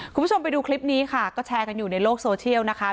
คุณผู้ชมไปดูคลิปนี้ค่ะก็แชร์กันอยู่ในโลกโซเชียลนะคะ